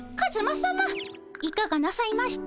いかがなさいました？